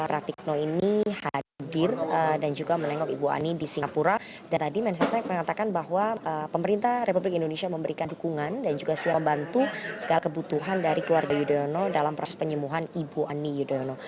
pratikno ini hadir dan juga menengok ibu ani di singapura dan tadi mensesnek mengatakan bahwa pemerintah republik indonesia memberikan dukungan dan juga siap bantu segala kebutuhan dari keluarga yudhoyono dalam proses penyembuhan ibu ani yudhoyono